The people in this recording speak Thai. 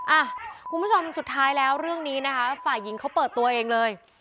อ่ะคุณผู้ชมสุดท้ายแล้วเรื่องนี้นะคะฝ่ายหญิงเขาเปิดตัวเองเลย